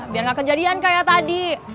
biar nggak kejadian kayak tadi